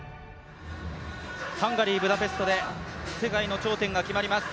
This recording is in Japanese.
ハンガリー・ブダペストで世界の頂点が決まります。